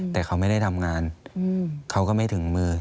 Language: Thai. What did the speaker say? แต่เขาไม่ได้ทำงานเขาก็ไม่ถึงมือ